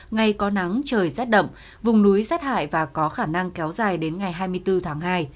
ngày có nắng trời rét đậm vùng núi rét hại và có khả năng kéo dài đến ngày hai mươi bốn tháng hai